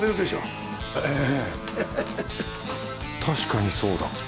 確かにそうだ。